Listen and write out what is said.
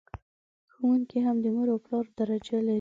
ښوونکي هم د مور او پلار درجه لر...